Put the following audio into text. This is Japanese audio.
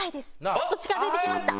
ちょっと近付いてきました。